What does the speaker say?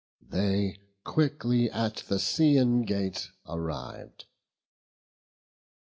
They quickly at the Scaean gate arriv'd.